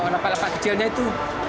lapa lapa kecilnya itu